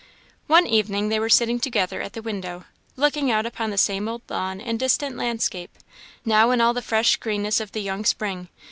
One evening they were sitting together at the window, looking out upon the same old lawn and distant landscape, now in all the fresh greenness of the young spring.